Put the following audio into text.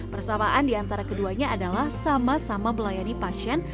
persamaan diantara keduanya adalah sama sama melayani pasien